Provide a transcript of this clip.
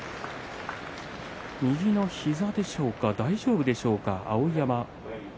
右の膝でしょうか大丈夫でしょうか、碧山。